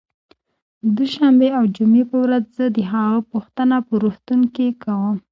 دوشنبې او جمعې په ورځ زه د هغه پوښتنه په روغتون کې کوم